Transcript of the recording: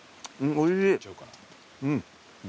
おいしい。